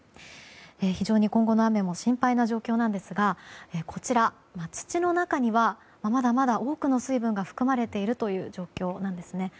非常今後の雨も心配な状況なんですがこちら、土の中にはまだまだ多くの水分が含まれているという状況なんですね。